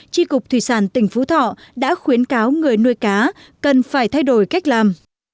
tri cục thủy sản tỉnh phú thọ đã khuyến cáo người nuôi cá cần phải thay đổi cách làm